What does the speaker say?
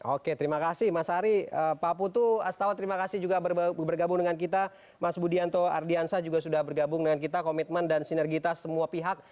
oke terima kasih mas ari pak putu astawa terima kasih juga bergabung dengan kita mas budianto ardiansa juga sudah bergabung dengan kita komitmen dan sinergitas semua pihak